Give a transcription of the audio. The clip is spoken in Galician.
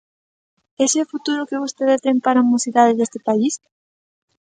¿Ese é o futuro que vostede ten para a mocidade deste país?